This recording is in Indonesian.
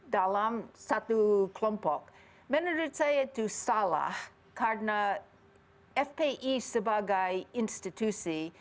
dalam satu kelompok menurut saya itu salah karena fpi sebagai institusi